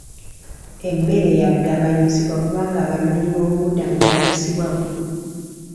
Emmere yagabanyizibwa kubanga abanoonyi b'obubudamu baliisibwa bubi.